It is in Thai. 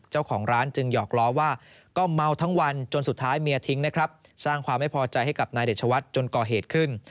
เจ้าของร้านจึงหยอกล้อว่าก็เมาทั้งวันจนสุดท้ายเมียทิ้งนะครับสร้างความไม่พอใจให้กับนายเดชวัฒน์จนก่อเหตุขึ้น